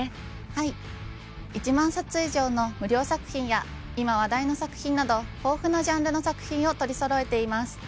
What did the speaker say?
はい１万冊以上の無料作品や今話題の作品など豊富なジャンルの作品を取りそろえています。